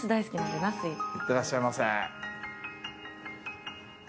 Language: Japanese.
いってらっしゃいませ。